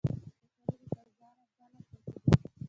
کچالو د بازار ارزانه توکي دي